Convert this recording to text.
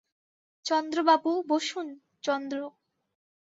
চন্দ্রবাবু, বসুন– চন্দ্র।